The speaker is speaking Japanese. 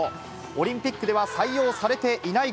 オリンピックでは採用されていない